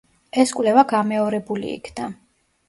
ეს კვლევა გამეორებული იქნა.